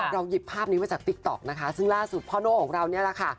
หยิบภาพนี้มาจากติ๊กต๊อกนะคะซึ่งล่าสุดพ่อโน่ของเราเนี่ยแหละค่ะ